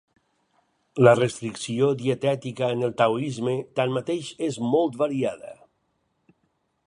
La restricció dietètica en el taoisme, tanmateix, és molt variada.